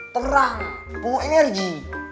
terang penuh energi